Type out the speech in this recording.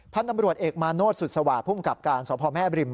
พันธุ์ตำรวจเอกมาโนธสุดสวาสภูมิกับการสพแม่บริม